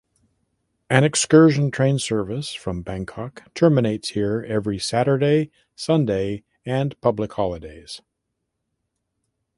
An excursion train service from Bangkok terminates here every Saturday–Sunday and public holidays.